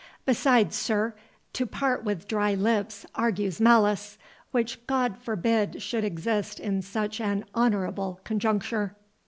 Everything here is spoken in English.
—Besides, sir, to part with dry lips argues malice, which God forbid should exist in such an honourable conjuncture."